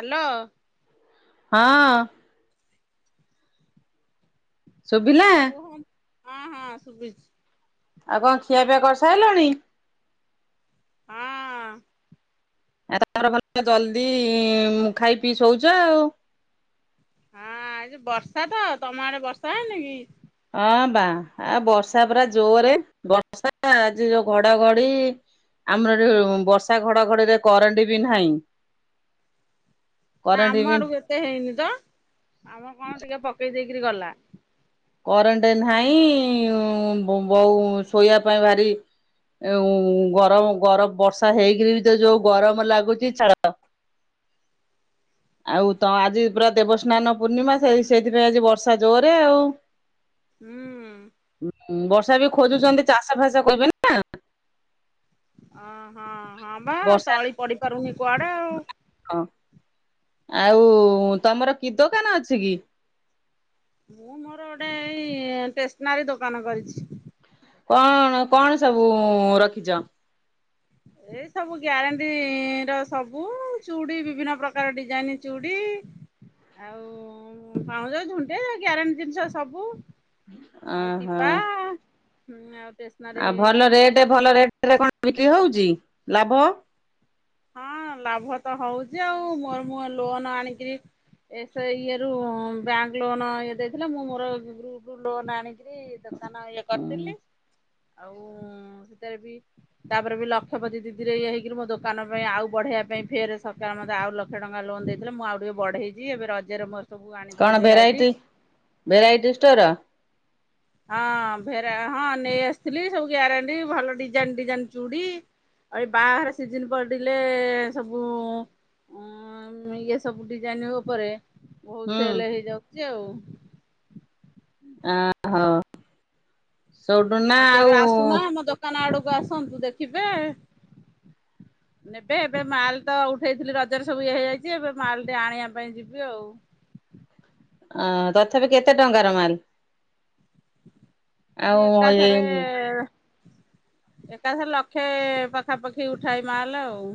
Hello. ହଁ। ଶୁଭିଲା? ହଁ କୁହ ହଁ, ହଁ ଶୁଭୁଚି। ଆଉ କଣ ଖିଆପିଆ କରିସାରିଲଣି? ହଁ ଏତେ ତମର ଭଲ ଜଲଦି ଇଁ ଖାଇ ପିଇ ସୋଉଛ ଆଉ। ହଁ ଆଜି ବର୍ଷା ତ ତମ ଆଡେ ବର୍ଷା ହେଇନି କି? ହଁ ବା ଆ ବର୍ଷା ପୁରା ଜୋରେ ବର୍ଷା ଆଜି ଯୋଉ ଘଡଘଡି ଆମର ଏଠି ବର୍ଷା ଘଡ଼ଘଡ଼ିରେ କରେଣ୍ଟ ବି ନାହିଁ। ନା କରେଣ୍ଟ ଆମ ବି ଆଡ଼କୁ ଏତେ ହେଇନି ତ ଆମ କଣ ଟିକେ ପକେଇ ଦେଇକିରି ଗଲା। କରେଣ୍ଟ ନାହିଁ ବ ବଉ ଶୋଇବା ପାଇଁ ଭାରି ଉଁ ଗରମ ଗରମ ବର୍ଷା ହେଇକିରି ବି ତ ଯୋଉ ଗରମ ଲାଗୁଛି ଛାଡ଼। ଆଉ ତ ଆଜି ପୁରା ଦେବସ୍ନାନ ପୂର୍ଣ୍ଣିମା ସେଇ ସେଇଥିପାଇଁ ଆଜି ବର୍ଷା ଜୋରେ ଆଉ। ହୁଁ ବର୍ଷା ବି ଖୋଜୁଛନ୍ତି ଚାଷ ଫାସ କରିବେନା। [unintelligible] ଅ ହଁ ହଁ ବା ତଳି ପଡ଼ି ପାରୁନି କୁଆଡ଼େ ଆଉ। ହଁ ଆଉ ତମର କି ଦୋକାନ ଅଛି କି? ମୁଁ ମୋର ଗୋଟେ ଏଇ ଟେସେନାରୀ ଦୋକାନ କରିଛି। କଣ କଣ ସବୁ ରଖିଛ? ଏଇ ସବୁ ଗ୍ୟାରେଣ୍ଟି ର ସବୁ ଚୁଡ଼ି ବିଭିନ୍ନ ପ୍ରକାର ଡିଜାଇନି ଚୁଡ଼ି ଡ଼ି ଆଉ ପାଉଁଯ ଝୁଣ୍ଟିଆ ଗ୍ୟାରେଣ୍ଟି ଜିନିଷ ସବୁ ଅଁ ଆଉ ହଁ। ଟିପା ହୁଁ ଆଉ ଟେସନାରୀ ଆଉ ଭଲ ରେଟେ ଭଲ ରେଟେ ରେ କଣ ବିକ୍ରି ହଉଛି ଲାଭ ହଁ ଲାଭ ତ ହଉଛି ଆଉ ମୋର ମୁଁ ଲୋନ ଆଣିକିରି ଏ ସେଇ ଇଏ ରୁ ବ୍ୟାଙ୍କ ଲୋନ ଇଏ ଦେଇଥିଲେ ମୁଁ ମୋର ଗ୍ରୁପରୁ ଲୋନ ଆଣିକି କିରି ଦୋକାନ ଇଏ ହୁଁ କରିଥିଲି। ଆଉ ସେଥିରେ ବି ତାପରେ ବି ଲକ୍ଷପତି ଦିଦିରେ ଇଏ ହେଇକିରି ମୋ ଦୋ କାନ ପାଇଁ ଆଉ ବଢ଼େଇବା ପାଇଁ ଫେରେ ସରକାର ମୋତେ ଆଉ ଲକ୍ଷେ ଟଙ୍କା ଲୋନ୍ ଦେଇଥିଲେ ମୁଁ ଆଉ ଟିକିଏ ବଢ଼େଇଛି ଏବେ ରଜରେ ମୋ କଣ ଭେରାଇଟି ଭେରାଇଟି ଷ୍ଟୋର? ହଁ ଭେରା ହଁ ନେଇ ଆସିଥିଲି ସବୁ ଗାରେଣ୍ଟି ଭଲ ଡିଜାଇନି ଡିଜାଇନି ଚୁଡ଼ି ଆଉ ଏ ବାହାଘର ସିଜିନ ପଡ଼ିଲେ ସବୁ ଉଁ ଇଏ ସବୁ ଡିଜାଇନି ଉପରେ ବହୁତ ହୁଁ ସେଲେ ହେଇଯାଉଛି ଆଉ। ଆଁ ହୋ। ଆଉ କେବେ ଆସୁନା ଆମ ଦୋକାନ ଆଡ଼କୁ ଆସନ୍ତୁ ଦେଖିବେ ନେବେ ଏବେ ମାଲ ତ ଉଠେଇଥିଲି ରଜରେ ସବୁ ଇଏ ହେଇଯାଇଛି ଏବେ ମାଲେଟେ ଆଣିବା ପାଇଁ ଯିବି ଆଉ। ଅ ତଥାପି କେତେ ଟଙ୍କାର ମାଲ? ଆଉ ମୁଁ ଏ ଏକାଥରେ ଏକାଥରେ ଲକ୍ଷେ ପାଖାପାଖି ଉଠାଏ ମାଲେ ଆଉ।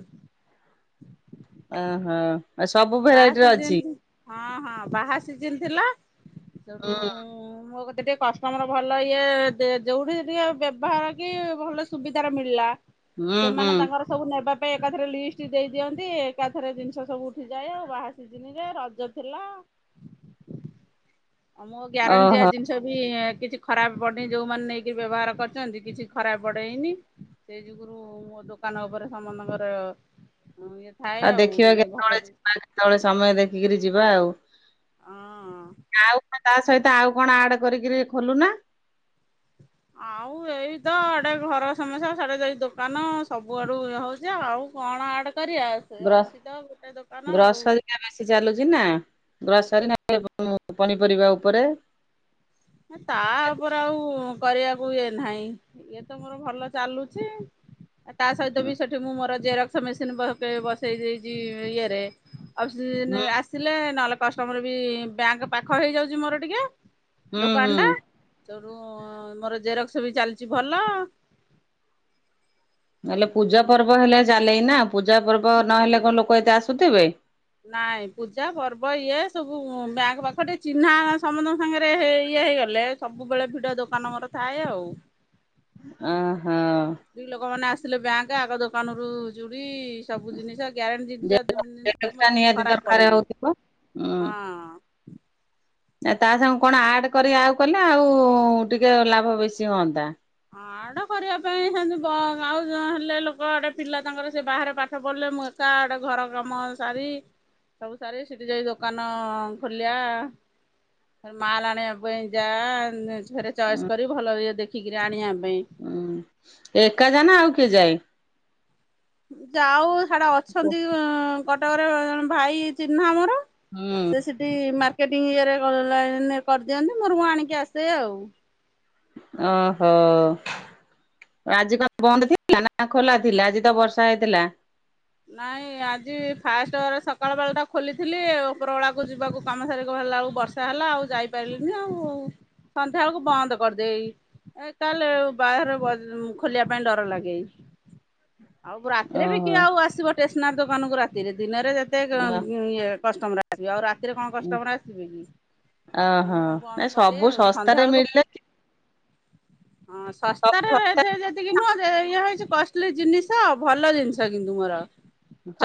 ଓହୋ ଆ ସବୁ ବାହା ଭେରାଇଟିର ସିଜିନ୍ ଅଛି? ହଁ ହଁ ବାହା ସିଜିନ୍ ଥିଲା ସେଠୁ ହୁଁ ଉଁ ମୋ କ ତିରେ କଷ୍ଟମର ଭଲ ଇଏ ଯେଉଁଠି ଟିକେ ବ୍ୟବହାର କି ଭଲ ସୁବିଧାରେ ମିଳିଲା ହୁଁ ହୁଁ ସେମାନେ ତାଙ୍କର ସବୁ ନେବା ପାଇଁ ଏକାଥରେ ଲିଷ୍ଟ ଦେଇ ଦିଅନ୍ତି ଏକାଥରେ ଜିନିଷ ସବୁ ଉଠି ଯାଏ ଆଉ ବାହାସିଜିନିରେ ରଜ ଥିଲା। ଆଉ ମୋ ଗ୍ୟାରେଣ୍ଟି ଦିଆ ଓହୋ। ଜିନିଷ ବି କିଛି ଖରାପ ପଡ଼ିନି ଯୋଉମାନେ ନେଇକି ବ୍ୟବହାର କରୁଛନ୍ତି କିଛି ଖରାପ ପଡ଼େଇନି। ସେଇ ଯୁଗୁରୁ ମୋ ଦୋକାନ ଉପରେ ସମସ୍ତଙ୍କର ଇଏ ଥାଏ ଆଉ ଦେଖିବା ଟିକେ ଭଲ କେତେବେଳେ ଯିବା କେତେବେଳେ ସମୟ ଦେଖିକିରି ଯିବା ଆଉ। ହଁ ଆଉ ତା ସହିତ ଆଉ କଣ ଆଡେ କରିକିରି ଖୋଲୁ ନା? ଆଉ ଏଇ ତ ଆଡ଼େ ଘର ସମସ୍ୟା ସାଡ଼େ ଯାଇ ଦୋକାନ ସବୁଆଡ଼ୁ ଇଏ ହଉଛି ଆଉ। କଣ ଆଡ଼େ ଗ୍ରସ ଆଉ। ଗ୍ରସରୀ ହାରିକା ବେଶୀ ଚାଲୁଛି ନା? ଗ୍ରସରି ନାଇଁ ପନିପରିବା ଉପରେ ତା ଉପରେ ଆଉ କରିବାକୁ ଇଏ ନାହିଁ ଇଏ ତ ମୋର ଭଲ ଚାଲୁଚି। ଆ ତା ସହିତ ହୁଁ ବି ସେଠି ମୁଁ ମୋର ଜେରକ୍ସ ମେସିନ ବକେ ବସେଇ ଦେଇଚି ଇଏରେ। ଅଫସି ଏଇନେ ଆସିଲେ ନହେଲେ କଷ୍ଟମର ବି ବ୍ୟାଙ୍କ ପାଖ ହେଇଯାଉଚି ମୋର ଟିକେ ହୁଁ ହୁଁ। ତଠୁ ମୋର ଜେରକ୍ସ ବି ଚାଲିଚି ଭଲ। ତା ହେଲେ ପୂଜା ପର୍ବ ହେଲେ ଚାଲେଇନା ପୂଜା ପର୍ବ ନହେଲେ କଣ ଲୋକ ଏତେ ଆସୁଥିବେ? ନାଇଁ ପୂଜା ପର୍ବ ଇଏ ସବୁ ବ୍ୟାଙ୍କ ପାଖ ଟେ ଚିହ୍ନା ସମସ୍ତଙ୍କ ସାଙ୍ଗରେ ହେ ଇଏ ହେଇଗଲେ ସବୁବେଳେ ଭିଡ ଦୋକାନ ମୋର ଥାଏ ଆଉ। ଆହ ସ୍ତ୍ରୀ ଲୋକମାନେ ଆସିଲେ ବ୍ୟାଙ୍କ ଆଗ ଦୋକାନରୁୁ ଚୁଡ଼ି ଏ ସବୁ ଜିନିଷ ଗ୍ୟାରେଣ୍ଟି ଜିନିଷ [unintelligible] ଜିନିଷ ଜେରକ୍ସଟା ଆମର କିଛି ନିହାତି ଖରାପ ଦରକାର ପଡିନି। ହଉଥିବ। ହଁ। ଏ ତା ସାଙ୍ଗେ କଣ ଆଡ କରି ଆଉ କଲେ ଆଉ ଟିକେ ଲାଭ ବେଶୀ ହୁଅନ୍ତା। ଆଡ଼ କରିବା ପାଇଁ ସେନ୍ତି ବ ଆଉ ହେଲେ ଲୋକ ଗୋଟେ ପିଲା ତାଙ୍କର ସେ ବାହାରେ ପାଠ ପଢ଼ିଲେ ମୁଁ ତାଆଡେ ଘର କାମ ସାରି ସବୁ ସାରି ସେଠି ଯାଇ ଦୋକାନ ଖୋଲିବା। ମାଲ ଆଣିବା ପାଇଁ ଯା ନ ଏଥିରେ ଚଏସ୍ କରି ଭଲ ଇଏ ଦେଖିକି ହୁଁ ଏକା ଯାଅନା ଆଉ କିଏ ଯାଏ? ଯାଉ ସିଆଡେ ଅଛନ୍ତି କଟକରେ ଜଣେ ଭାଇ ଚିହ୍ନା ଆମର। ହୁଁ ସେ ସୀଠି ମାର୍ ସେଟିଂ ଇଏ ରେ ଅନଲାଇନ୍ କରିଦିଅନ୍ତି ମୋର ମୁଁ ଆଣିକି ଆସେ ଆଉ। ଓହୋ। ଆଜି କଣ ବନ୍ଦ ଥିଲା ନା ଖୋଲା ଥିଲା ଆଜି ତ ବର୍ଷା ହେଇଥିଲା। ନାଇଁ ଆଜି ଫାଷ୍ଟରେ ସକାଳ ବେଳ ଟା ଖୋଲିଥିଲି ଉପର ବଳାକୁ ଯିବାକୁ କାମ ସାରି ଗଲାକୁ ଲା ବେଳକୁ ବର୍ଷା ହେଲା ଆଉ ଯାଇପାରିଲିନି ଆଉ, ସନ୍ଧ୍ୟା ବେଳକୁ ବନ୍ଦ କରିଦେଇ ଏ କାଲି ବାହାରେ ବର୍ ଖୋଲିବା ପାଇଁ ଡର ଲାଗେ। ଆଉ ରାତିରେ ବି ଓହୋ କିଏ ଆଉ ଆସିବ ଟେସେନାରୀ ଦୋକାନକୁ ରାତିରେ ଦିନରେ ନରେ ଯେତେ ଏ ଇ-ଇଏ କଷ୍ଟମର ଆସିବ ଆଉ ରାତିରେ କଣ କଷ୍ଟମର ଆସିବେ କି? ଓହୋ ମୁଁ ବନ୍ଦ ଏଇ କରିଦିଏ ସବୁ ଆଉ ସନ୍ଧ୍ୟା ଶସ୍ତାରେ ବେଳକୁ ମିଳିଲେ ହଁ ଶସ୍ତାରେ ରେଟେ ଯେତିକି ନୁହଁ ଯେ ଇଏ ହେଇଚି କଷ୍ ଲି ଜିନିଷ ଭଲ ଜିନିଷ କିନ୍ତୁ ମୋର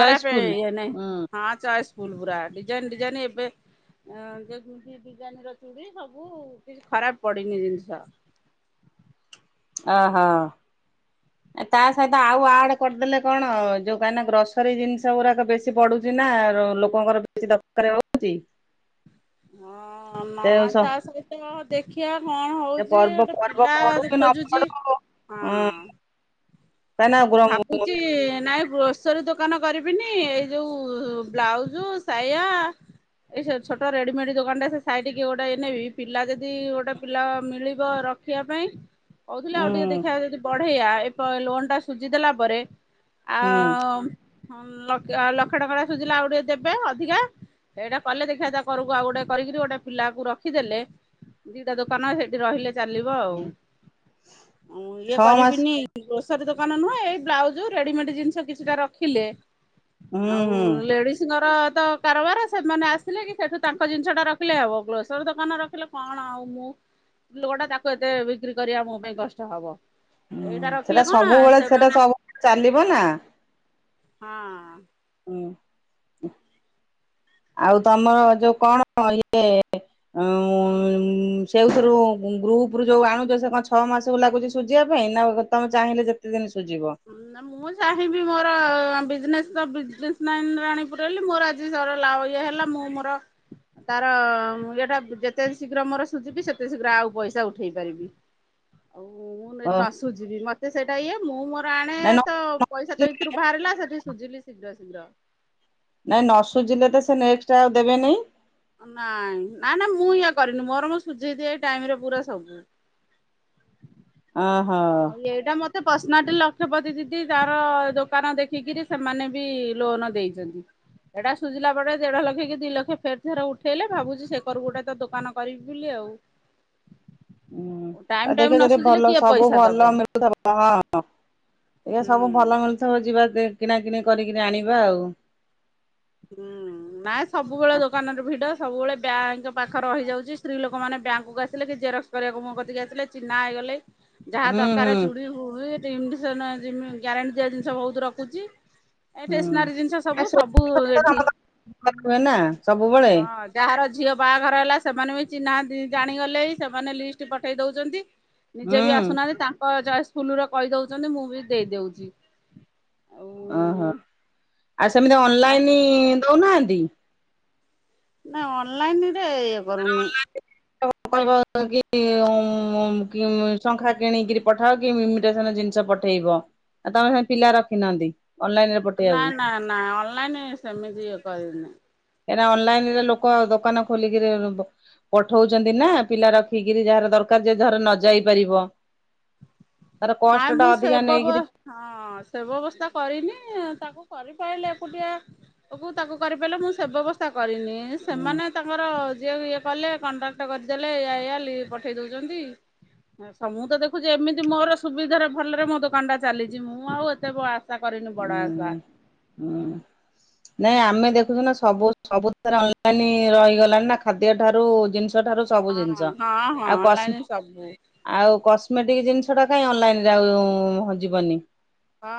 ଚଏସ୍ ଫୁଲ ଇଏ ନାହିଁ ହୁଁ ହଁ ଚଏସ୍ ଫୁଲ ପୁରା ଡିଜାଇନ୍ ଡିଜାଇନ୍ ଏବେ ଅ [unintelligible] ଡିଜାଇନ୍ ର ଚୁଡି ସବୁ କିଛି ଖରାପ ପଡିନି ଜିନିଷ। ଓହୋ। ତା ସହିତ ଆଉ ଆଡ କରିଦେଲେ କଣ ଯୋଉ କାହିଁକି ନା ଗ୍ରୋସରୀ ଜିନିଷ ଗୁଡାକ ବେଶୀ ବଢୁଚି ନା ଲୋକଙ୍କର ବେଶୀ ଦରକାର ହଉଚି। ହଁ ନାଇ ତା ସହିତ ଦେଖିବା କଣ ସେ ହଉଚି ପର୍ବ ଗୋଟେ ପର୍ବ ପିଲା ପଡୁ ଦେ କି ନ ଖୋଜୁଚି ପଡୁ ହୁଁ ହଁ। କାହିଁକି ନା ହୁଁ ଭାବୁଚି ନାଇଁ ଗ୍ରୋଷ ସରି ଦୋକାନ କରିବିନି ଏଇ ଯୋଉ ବ୍ଲାଉଜ ସାୟା ଏଇ ସେ ଛୋଟ ରେଡିମେଡ ଦୋକାନ ଟା ସେ ସାଇଟିକି ଗୋଟାଏ ନେବି ପିଲା ଯଦି ଗୋଟେ ପିଲା ମିଳିବ ର ରଖିବା ପାଇଁ। କହୁଥିଲି ଆଉ ଟିକେ ଦେଖିବା ଯଦି ବଢେଇଆ ଏପ ଲୋନ୍ ଟା ସୁଝି ଦେଲା ପରେ ହୁଁ ଆ-ମ୍-ହମ୍-ଲକ୍ଷେ ଆଉ ଲକ୍ଷେ ଟଙ୍କା ଟା ସୁୁଝିଲା ଆଉ ଟିକେ ଦେବେ ଅଧିକା। ଏଇଟା କଲେ ଦେଖିବା ତା କରକୁ ଆଉ ଗୋଟେ କରିକିରି ଗୋଟେ ପିଲାକୁ ରଖିଦେଲେ ଦିଟା ଦୋକାନ ସେଇଠି ରହିଲେ ଚାଲିବ ଆଉ ଉଁ ଇଏ ଛଅ ମାସ କରିବିନି ଗ୍ରୋଷ ସରି ଦୋକାନ ନୁହଁ ଏଇ ବ୍ଲାଉଜ ରେଡିମେଡ ଜିନିଷ କିଛିଟା ରଖିଲେ ହୁଁ ଆଉ ହୁଁ। ଲେଡିସଙ୍କର ତ କାରବାର ସେମାନେ ଆସିଲେ କି ସେଠୁ ତାଙ୍କ ଜିନିଷ ଟା ରଖିଲେ ହବ। ଗ୍ରୋଷରୀ ଦୋକାନ ରଖିଲେ କଣ ଆଉ ମୁଁ ଲୋକଟା ତାକୁ ଏତେ ବିକ୍ରି କରି ଆମ ପାଇଁ କଷ୍ଟ ହବ। ହୁଁ ଏଇଟାର ସେଟା ସବୁବେଳେ ସେଟା ସ-ସବୁବେଳେ ଚାଲିବ ନା। ହଁ। [inaudible] ଆଉ ତମର ଯୋଉ କଣ ଇଏ, ଉ ସେଉଥିରୁ ଗ୍ରୁପ ଗ୍ରୁପରୁ ଯୋଉ ଆଣୁଛ ଛଅ ମାସ ଲାଗୁଛି ସୁଝିବା ପାଇଁ? ନା ତମେ ଚାହିଁଲେ ଯେତେ ଦିନି ନା ମୁଁ ଚାହିଁବି ମୋର ବିଜନେସ୍ ତ ବିଜନେସ୍‌ ମାନ ଆଣିକି ପୁରେଇଲେ ହେ ମୋର ଆଜି ସର ଲାଭ ଇଏ ହେଲା ମୁଁ ମୋର ତାର ଇଟା ଯେତେ ଶୀଘ୍ର ମୋର ସୁଝିବି, ସେତେ ଶୀଘ୍ର ଆଉ ପଇସା ଉଠେଇ ପାରିବି। [inaudible] ଆଉ ମୁଁ ଜଦୀ ଓ ନ ସୁୁଝିବି ମତେ ସେଇଟା ଇଏ, ମୁଁ ମୋର ‌ ପ୍ରାଣେ ନାଇଁ ତ ପଇସା ତ ଇତିରୁ ବାହାରିଲା ସେଠି ସୁଝିଲି ଶୀଘ୍ର ଶୀଘ୍ର। ନାଇଁ ନ ସୁଜିଲେ ତ ସେ ନେଷ୍ଟେ ଆଉ ଦେବେନି? ନାଇଁ। ନା ନା, ମୁଁ ଇଏ କରେନି ମୋର ମୁଁ ସୁଝେଇ ଦିଏ ଟାଇମ୍ ରେ ପୁରା ସବୁ। ଆ ହୋ। ପ୍ରଶନାଟ୍ ଲକ୍ଷପତିି ଦିଦି, ଯାର ଦୋକାନ ଦେଖିକିରି ସେମାନେ ବି ଲୋନ ଦେଇଛନ୍ତି। ଏଇଟା ସୁଝିଲା ପରେ, ଦେଢ ଲକ୍ଷ କି ଦିଲକ୍ଷ ଫେର ଥରେ ଉଠେଇଲେ ଭାବୁଛି ସେ କରକୁ ଗୋଟେ ତ ଦୋକାନ କରିବି ବୋଲି ଆଉ। [inaudible] ହୁଁ ଟାଇମ ଆଉ ଟାଇମ ଦେଖିବା ନ ଯଦି ସୁଝିଲେ ଭଲ କିଏ ସବୁ ପଇସା ଦବ ଭଲ ମିଳୁଥିବ। ହଁ ଏୟା ସବୁ ହୁଁ। ଭଲ ମିଳୁଥିବ। ଯିବା ଦେ, କିଣାକିଣି କରିକିରି ଆଣିବା ଆଉ। ହୁଁ। ନାଇଁ ସବୁବେଳେ ଦୋକାନରେ ଭିଡ। ସବୁବେଳେ ବ୍ୟାଙ୍କ୍ ପାଖରେ ରହିଯାଉଛି। ସ୍ତ୍ରୀ ଲୋକମାନେ ବ୍ୟାଙ୍କକୁ ଆସିଲେ କି ଜେରକ୍ସ କରିବାକୁ ମୋ କତିକି ଆସିଲେ ଚିହ୍ନା ହେଇଗଲେ। ଯାହା ହୁଁ ହୁଁ ଦରକାର ଚୁଡ଼ି, ପୁଡ଼ି ଏମିଟେସନ ଗ୍ୟାରେଣ୍ଟି ଦିଆ ଜିନିଷ ବହୁତ, ରଖୁଛି। ଏ ଷ୍ଟେସନାରୀ ଜିନିଷ ସବୁ। ହୁଁ ସବୁ ଏଠି ହୁଏ ନା ସବୁବେଳେ ହଁ ଯାହାର ଝିଅ ବାହାଘର ହେଲା ସେମାନେ ବି ଚିହ୍ନା ନାହାନ୍ତି, ଜାଣିଗଲେ ସେମାନେ ଲିଷ୍ଟ ପଠେଇ ଦଉଛନ୍ତି। ହୁଁ ନିଜେ ବି ଆସୁନାହାନ୍ତି ତାଙ୍କ ଚଏସ ଫୁଲରେ କହିଦଉଛନ୍ତି, ମୁଁ ବି ଦେଇଦଉଛି। ଆଉ ଆ ହାଁ। ଆଉ ସେମିତି ବା ଅନଲାଇନ ଦଉନାହାନ୍ତି? ନା ଅନଲାଇନ୍ ରେ ଇଏ କରୁନି। ଆପଣ କହିବେକି, ହୁଁ ମୁଁ ଶଙ୍ଖା କିଣିକରି ପଠାଅ କି ଇମିଟେସନ ଜିନିଷ ପ ପଠେଇବ ଆଉ ତମେ ସେ ପିଲା ରଖିନାହାନ୍ତି। ଅନଲାଇନ ରେ ନା ପଠେଇବାକୁ ନା ନା। ଅନଲାଇନ୍ ସେମିତି ଇଏ କରିବିନି। ଏରା ଅନଲାଇନ୍ ରେ ଲୋକ ଦୋକାନ ଖୋଲି ଯିଏ, ପଠଉଛନ୍ତି ନା ପିଲା ରଖିକିରି ଯେ ଯାହାର ଦରକାର ଯେ ଧର ନ ଯାଇ ପାରିବ। [inaudible] କଷ୍ଟ ନାଇଁ ଟା ମୁଁ ସେ ଅଧିକା ନେଇକିରି ଵ୍ୟବ-ସେ ବ୍ୟବସ୍ଥା କରିନି ତାକୁ କରିପାରିଲେ ଏକୁଟି, ଆକୁ ତାକୁ କରିପାରିଲେ ମୁଁ ସେ ବ୍ୟବସ୍ଥା କରିନି। ଇଁ, ହୁଁ ସେମାନେ ତାଙ୍କର ଯିଏ ଇଏ କଲେ କଣ୍ଡକ କରିଦେଲେ ଏୟା ଏୟା ଲି-ପଠେଇଦଉଛନ୍ତି। ସ ମୁଁ ତ ଦେଖୁଛି ଏମିତି ମୋର ସୁବିଧାରେ ଭଲରେ ମୋ ଦୋକାନ ଟା ଚାଲିଛି। ମୁଁ ଆଉ ଏତେ ବ ଚେଷ୍ଟା କରେନି ବଡ ଆସା। ହୁଁ ହୁଁ। ନାଇଁ ଆମେ ଦେଖୁଛୁ ନା ସବୁ- ସବୁଥିରେ ଅନଲାଇନ୍ ରହିଗଲାଣି ନା, ଖାଦ୍ୟ ଠାରୁ ଜିନିଷ ଛୋଟ ସବୁ ହଁ ଜିନିଷ। ହଁ ହଁ ଆଉ ଅନଲାଇନ ସବୁ କସମେ-ଆଉ କସମେଟିକି ଜିନିଷ ସେଟା କାଇଁ ଅନଲାଇନ୍ ଆଉ ଯିବନି? ହଁ।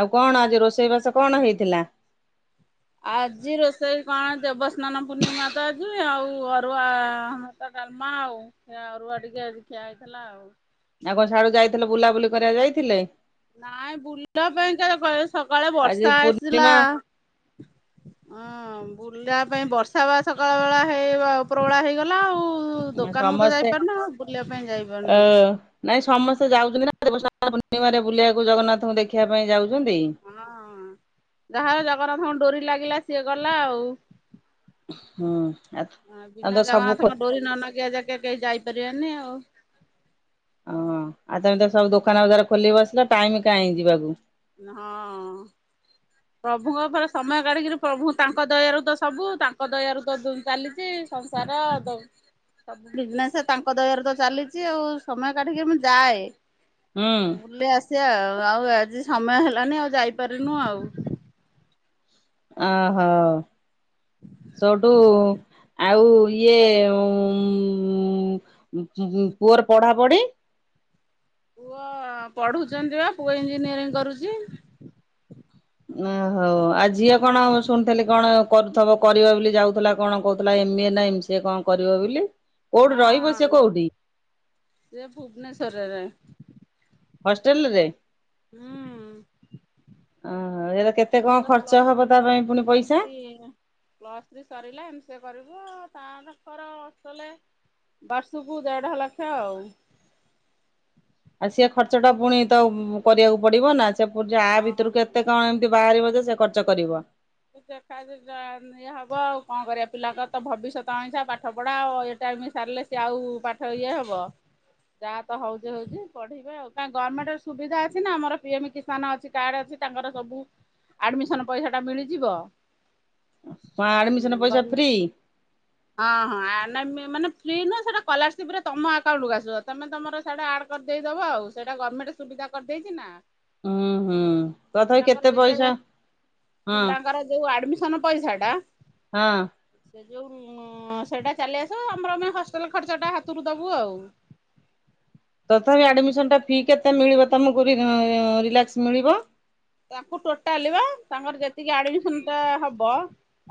ଆଉ କଣ? ଆଜି ରୋଷେଇ ବାସ କଣ ହେଇଥିଲା? ଆଜି ରୋଷେଇ କଣ? ଦେଵସ୍ନାନପୂର୍ଣ୍ଣିମା ତ ଆଜି, ଆଉ ଅରୁଆ ଭାତ ଡାଲମା ଆଉ, ଅରୁଆ ଟିକେ ଆଜି ଖିଆ ହେଇଥିଲା ଆଉ। ଆଉ କଣ ସିଆଡୁ ଯାଇଥିଲ ବୁଲାବୁଲି କରିବା କୁ ଯାଇଥିଲେ? ନାଇଁ ବୁଲିବା ପାଇଁ ଯାଇ ସକାଳେ ଆଜି ବର୍ଷା ଆସିଲା। ପୂର୍ଣ୍ଣିମା ହଁ ବୁଲିବା ପାଇଁ ବର୍ଷା ବା ସକାଳବେଳା ହେଇ ଉପରବେଳା ହେଇଗଲା ଆଉ। ଓ ଦୋକାନକୁ ତ ସମସ୍ତେ ଯାଇପାରୁନୁ ଆଉ ବୁଲିବା ପାଇଁ ଯାଇପାରୁନୁ। ଯାଉଛ ନା ଦେବ ସ୍ନାନ ପୂଣ୍ଣିମାରେ ବୁଲିବାକୁ ଜଗନ୍ନାଥଙ୍କୁ ଦେଖିବା ପାଇଁ ଯାଉ। ହଁ ଯାହାର ଜଗନ୍ନାଥଙ୍କ ଡୋରି ଲାଗିଲା ସିଏ ଗଲା ଆଉ। ହୁଁ ଆଉ ତମେ ବିନା ତ ସବୁ ଖୋ ଜଗନ୍ନାଥଙ୍କ ଡୋରି ନ ଲାଗିବା ଯାକେ କେହି ଯାଇପାରିବେନି ଆଉ। ଓଁ ଆଉ ତମେ ତ ସବୁ ଦୋକାନ ବାଜାର ଖୋଲିକି ବସିଲ ଟାଇମ କାହିଁ ଯିବାକୁ। ହଁ। ପ୍ରଭୁଙ୍କ ଉପରେ ସମୟ କାଢିକିରି ପ୍ରଭୁ ତାଙ୍କ ଦୟାରୁ ତ ସବୁ। ତାଙ୍କ ଦୟାରୁ ତ ଚାଲିଛି ସଂସାର ଦୁ ସବୁ ବିଜନେସ ତାଙ୍କ ଦୟାରେ ତ ଚାଲିଛି ଆଉ ସମୟ କାଟିକି ମୁଁ ଯାଏ। ହୁଁ ବୁଲେଇ ଆସିବା ଆଉ ଆଜି ସମୟ ହେଲାନି ଆଉ ଯାଇପାରନୁ ଆଉ। ଅହୋ ସଠୁ ଆଉ ଇଏ ଉ ଉ ପୁଅର ପଢାପଢି? ପୁଅ ପଢୁଛନ୍ତି ବା ପୁଅ ଇଞ୍ଜିନିୟରିଂ କରୁଛି। ଓ ହୋ ଆଉ ଝିଅ କଣ ଶୁଣିଥିଲି କଣ? କରୁଥିବ କରିବା ବୋଲି ଯାଉଥିଲା କଣ କହୁଥିଲା ଏମି ଏ ନା ଏମ ସି ଏ କଣ କରିବ ବୋଲି? କୋଉଠି ରହିବ ସେ ହଁ କୋଉଠି ସେ ଭୁବନେଶ୍ୱରରେ। ହଷ୍ଟେଲରେ? ହୁଁ। ଓୋ ଏବେ କେତେ କଣ ଝିଅର ଖର୍ଚ୍ଚ ପ୍ଲସ୍ ହବ ତା ପାଇଁ ପୁଣି ପଇସା? ପ୍ଲସ ଥ୍ରୀ ସରିଲା ଏମ ସି ଏ କରିବ। ତାଙ୍କର ହଷ୍ଟେଲ ବର୍ଷକୁ ଦେଢ ଲକ୍ଷ ଆଉ। ଆଉ ସିଏ ଖର୍ଚ୍ଚ ଟା ପୁଣି ତ କରିବାକୁ ପଡିବ ନା। ସେ ପ ଆ ଭିତରୁ କେତେ ହଁ। କଣ ଏମିତି ବାହାରିବ ଯେ ସେ ଖର୍ଚ୍ଚ କରିବ। ଦେଖ ଇଏ ହବ ଆଉ କଣ କରିବା ପିଲାଙ୍କ ତ ଭବିଷ୍ୟତ ଅଇସା ପାଠ ପଢା ଆଉ ଏଇଟା। ମ ସାରିଲେ ସେ ଆଉ ପାଠ ଇଏ ହବ। ଯାହା ତ ହଉଛି ହଉଛି ପଢିବେ ଆଉ ଗମେଣ୍ଟ ର ସୁବିଧା ଅଛି ନା ଆମର ପିଏମ କିଶାନ ଅଛି କାର୍ଡ ଅଛି। ତାଙ୍କର ସବୁ ଆଡମିସନ ପଇସା ଟା ମିଳିଯିବ। ହଁ ଆଡମିସନ ପଇସା ଫ୍ରି? ହଁ ହଁ ମାନେ ଫ୍ରି ନୁହ ସେଇଟା କଲାରସିପ ରେ ତମ ଆକାଉଣ୍ଟ କୁ ଆସିବ ତମେ ତର ସେ ଆଡ଼ ଦେଇଦବ ଆଉ ସେଇଟା ଗଭର୍ଣ୍ଣମେଣ୍ଟ ସୁବିଧା କରିଦେଇଛି ନା। ହୁଁ ହୁଁ ତଥାପି ପିଲାଙ୍କର କେତେ ଯେତେ ପଇସା ହଁ ପିଲାଙ୍କର ଯୋଉ ଆଡମିସନ ପଇସା ଟା ହଁ ସେ ଉ ସେଇଟା ଚାଲି ଆସିବ ଆମର ଆମେ ହଷ୍ଟେଲ ଖର୍ଚ୍ଚଟା ହାତରୁ ଦେବୁ ଆଉ। ତଥାପି ଆଡ୍ମିଶନ ଟା ଫି କେତେ ମିଳିବ ତମ କୁରି ରେଳକ୍ସ ମିଳିବ? ତାଙ୍କୁ ଟୋଟାଲି ବା ତାଙ୍କର ଯେତିକି ଆଡମିସନ ଟା ହବ।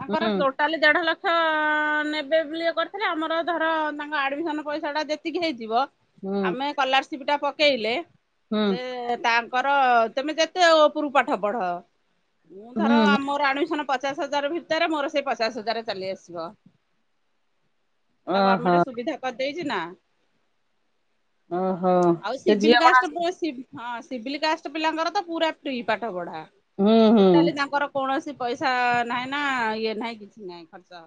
ତାଙ୍କର ହୁଁ ଟୋଟାଲି ଦେଢ ଲକ୍ଷ। କ୍ଷ ନେବେ ବୋଲିଏ କରିଥିଲେ ଆମର ଧର ତାଙ୍କ ଆଡ଼ମିସନ୍ ପଇସାଟା ଯେତିକି ହେଇଥିବ। ହୁଁ ଆମେ କଲାରସିପ ଟା ପକେଇଲେ ହୁଁ ସେ ତା କର ତମେ ଯେତେ ଉପରୁ ପାଠ ପଢ ମୁଁ ଧର ହୁଁ ଆମର ଆଡମିନ ପଚାଶ ହଜାର ଭିତରେ ମୋର ସେ ପଚାଶ ହଜାର ଚାଲି ଆସିବ। ସେଟା ଓହୋ ଗଭର୍ଣମେଣ୍ଟ ସୁବିଧା କରିଦେଇଛି ନା। ଓହୋ ଆଉ ସେ ଶିବିଲ ଝିଅ କଣ କାଷ୍ଟ ର ଆସ ପୁଅ ହଁ ସିଭିଲ କାଷ୍ଟ ପିଲାଙ୍କର ତ ପୁରା ଫ୍ରି ପାଠ ପଢା ହୁଁ ହୁଁ ଟୋଟାଲି ତାଙ୍କର କୌଣସି ପଇସା ନାହିଁ ନା ଇଏ ନାହିଁ କିଛି ନାହିଁ ଖର୍ଚ୍ଚ।